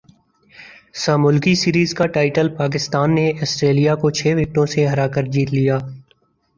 سہ ملکی سیریز کا ٹائٹل پاکستان نے اسٹریلیا کو چھ وکٹوں سے ہرا کرجیت لیا